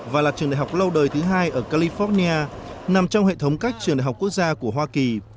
và là trường đại học lâu đời thứ hai ở california nằm trong hệ thống các trường đại học quốc gia của hoa kỳ